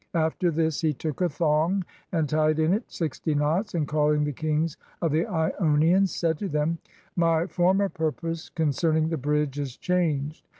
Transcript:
After this he took a thong, and tied in it sixty knots, and calling the kings of the loaians, said to them, " My former purpose con cerning the bridge is changed.